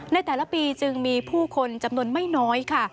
ในแต่ละปีจึงมีผู้คนจำนวนไม่น้อยค่ะ